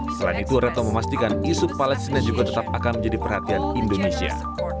selain itu retno memastikan isu palestina juga tetap akan menjadi perhatian indonesia